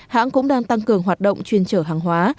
hãng cũng đang tăng cường hoạt động chuyên trở hàng hóa